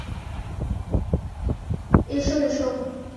এসো, এসো।